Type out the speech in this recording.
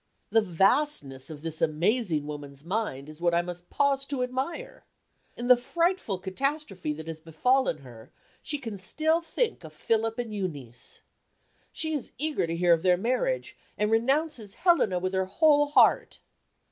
The vastness of this amazing woman's mind is what I must pause to admire. In the frightful catastrophe that has befallen her, she can still think of Philip and Euneece. She is eager to hear of their marriage, and renounces Helena with her whole heart.